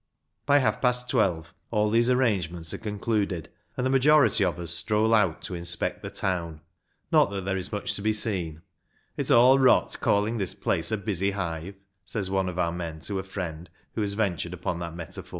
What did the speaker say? By half past twelve all these arrangements are concluded, and the majority of us stroll out to inspect the town. Not that there is much to be seen. " It's all rot calling this place a busy hive !" says one of our men to a friend who has ventured upon that metaphor.